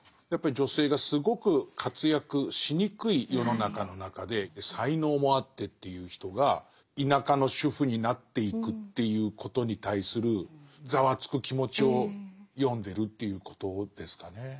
やっぱり女性がすごく活躍しにくい世の中の中で才能もあってという人が田舎の主婦になっていくっていうことに対するざわつく気持ちを詠んでるということですかね。